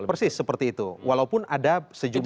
persis seperti itu walaupun ada sejumlah